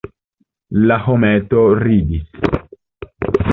La hometo ridis!